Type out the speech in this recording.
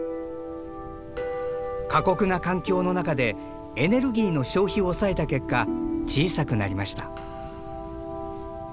過酷な環境の中でエネルギーの消費を抑えた結果小さくなりました。